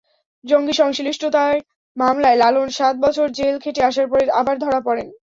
জঙ্গিসংশ্লিষ্টতার মামলায় লালন সাত বছর জেল খেটে আসার পরে আবার ধরা পড়েন।